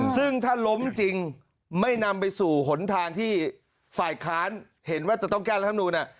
ซึ่งถ้าล้มจริงไม่นำไปสู่หนทางที่ฝ่ายค้านเห็นว่าจะต้องแก้รัฐมนูล